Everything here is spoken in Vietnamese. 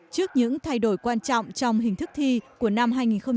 trước những thay đổi quan trọng trong hình thức thi của năm hai nghìn một mươi bảy